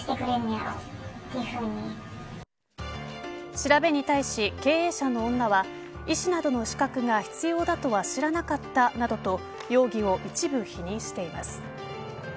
調べに対し、経営者の女は医師などの資格が必要だとは知らなかったなどと容疑を一部否認しています。